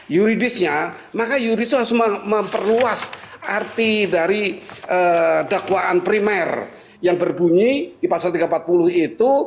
yuridisnya maka yuridis itu harus memperluas arti dari dakwaan primer yang berbunyi di pasal tiga ratus empat puluh itu